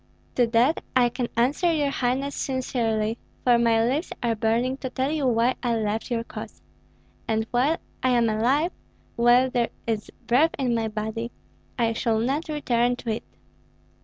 "To that I can answer your highness sincerely, for my lips are burning to tell you why I left your cause; and while I am alive, while there is breath in my body, I shall not return to it.